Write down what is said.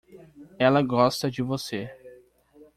Ela gosta de você.